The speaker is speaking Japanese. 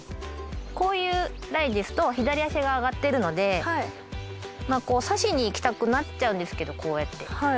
こういうライですと左足が上がっているので刺しにいきたくなっちゃうんですけどこうやって。